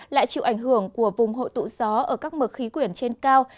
lại chịu ảnh hưởng của vùng hội tụ gió ở các mực khí quyển trên cao